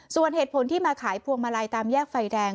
ส่วนเหตุผลที่มาขายพวงมาลัยตามแยกไฟแดง